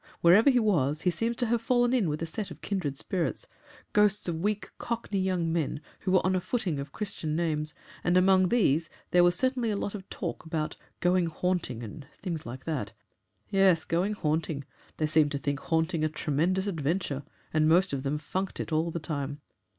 Wherever he was, he seems to have fallen in with a set of kindred spirits: ghosts of weak Cockney young men, who were on a footing of Christian names, and among these there was certainly a lot of talk about 'going haunting' and things like that. Yes going haunting! They seemed to think 'haunting' a tremendous adventure, and most of them funked it all the time.